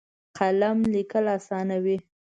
قلم لیکل اسانوي.